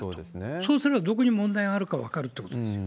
そうすれば、どこに問題があるか分かるってことですよ。